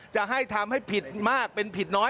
จะให้ทำให้ผิดมากเป็นผิดน้อย